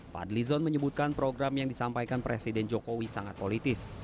fadlizon menyebutkan program yang disampaikan presiden jokowi sangat politis